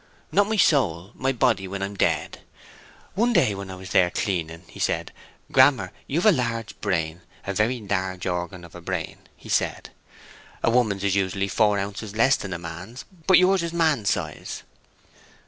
"Not my soul—my body, when I'm dead. One day when I was there cleaning, he said, 'Grammer, you've a large brain—a very large organ of brain,' he said. 'A woman's is usually four ounces less than a man's; but yours is man's size.